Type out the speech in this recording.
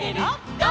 ゴー！」